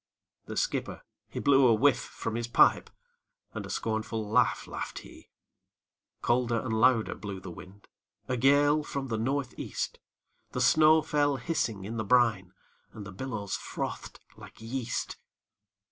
The skipper, he blew a whiff from his pipe, And a scornful laugh laughed he. Colder and louder blew the wind, A gale from the North east; The snow fell hissing in the brine, And the billows frothed like yeast.